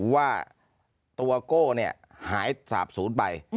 ว่าตัวโก้หายสาบศูนย์ไป